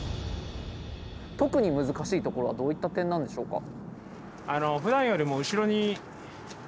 特に難しいところはどういった点なんでしょうか？